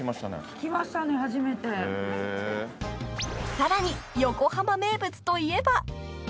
［さらに横浜名物といえば］